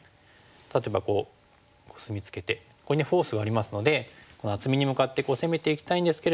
例えばコスミツケてここにフォースがありますのでこの厚みに向かって攻めていきたいんですけれども。